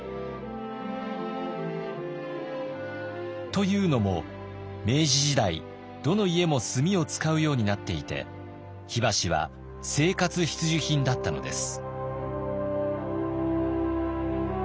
というのも明治時代どの家も炭を使うようになっていて火箸は生活必需品だったのです。